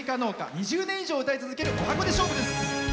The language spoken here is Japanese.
２０年以上、歌い続けるおはこで勝負です。